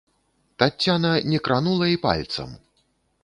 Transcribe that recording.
Таццяна не кранула і пальцам.